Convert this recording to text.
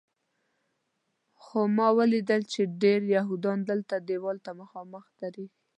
خو ما ولیدل چې ډېر یهودیان دلته دیوال ته مخامخ درېږي.